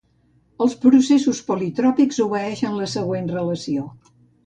Els processos politròpics obeeixen la següent relació.